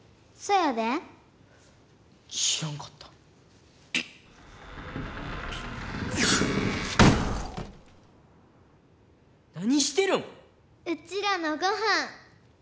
うちらのごはん。